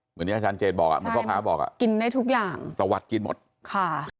เหมือนที่อาจารย์เจนบอกเหมือนพ่อค้าบอกตะวัดกินหมดค่ะใช่กินได้ทุกอย่าง